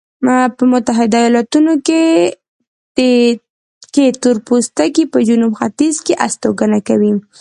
په متحده ایلاتونو کې تورپوستکي په جنوب ختیځ کې استوګنه کوي.